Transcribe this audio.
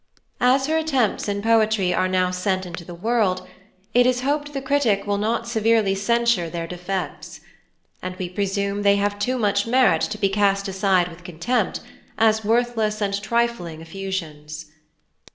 As her Attempts in Poetry are now sent into the World, it is hoped the Critic will not severely censure their Defects; and we presume they have too much Merit to be cast aside with Contempt, as worthless and trifling Effusions.